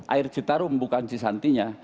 air citarum bukan cisantinya